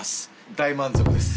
大満足です